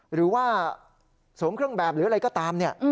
หรือว่าสวมเครื่องแบบหรืออะไรก็ตามเนี่ย